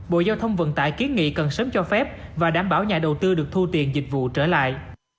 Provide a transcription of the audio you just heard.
bộ giao thông vận tải kiến nghị cần sớm cho phép và đảm bảo nhà đầu tư được thu tiền dịch vụ trở lại